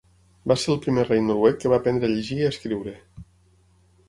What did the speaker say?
Va ser el primer rei noruec que va aprendre a llegir i escriure.